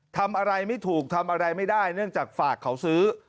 ทำอะไรไม่ถูกทำอะไรไม่ได้เนื่องจากฝากเขาซื้อ